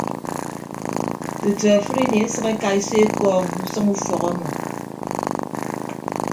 Tutu afịdini esʌk ekaiso ekọọñ usʌñ ufọk ọmmọ.